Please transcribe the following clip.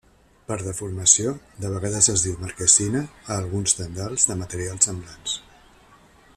Per deformació, de vegades es diu marquesina a alguns tendals de materials semblants.